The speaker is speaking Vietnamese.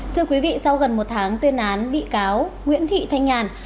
thưa quý vị sau gần một tháng tuyên án bị cáo nguyễn thị thanh nhàn